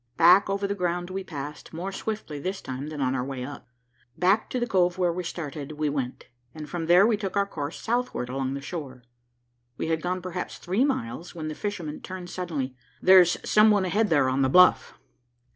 Back over the ground we passed, more swiftly this time than on our way up. Back to the cove where we started, we went, and from there we took our course southward along the shore. We had gone perhaps three miles, when the fisherman turned suddenly. "There's some one ahead there on the bluff."